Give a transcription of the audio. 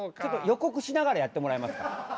予告しながらやってもらえますか？